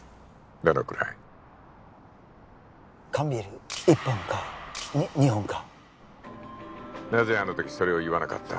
どのくらい？缶ビール１本か２本かなぜあの時それを言わなかった？